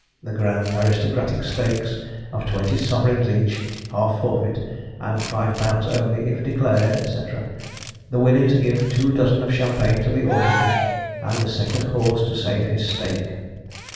The 'Grand Aristocratic Stakes,' of 20 sovs. each, half forfeit, and £5 only if declared, &c. The winner to give two dozen of champagne to the ordinary, and the second horse to save his stake.